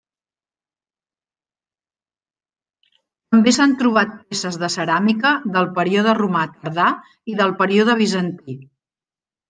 També s'han trobat peces de ceràmica del període romà tardà i del període bizantí.